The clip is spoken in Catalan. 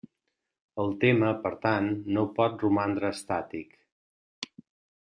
El tema, per tant, no pot romandre estàtic.